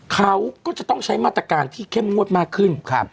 เขาก็จะต้องใช้มาตรการที่เข้มงวดมากขึ้น